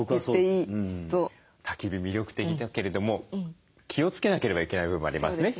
たき火魅力的だけれども気をつけなければいけない部分もありますね。